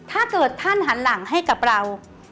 ถ้าเกิดท่านหันหลังให้กับเรา